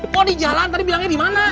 kok di jalan tadi bilangnya dimana